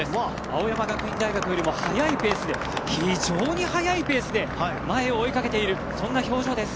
青山学院大学よりも速いペースで非常に速いペースで前を追いかけているそんな表情です。